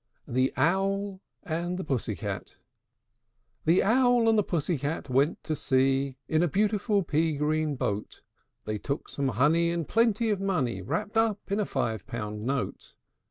THE OWL AND THE PUSSY CAT. I. The Owl and the Pussy Cat went to sea In a beautiful pea green boat: They took some honey, and plenty of money Wrapped up in a five pound note.